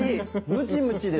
ムチムチです。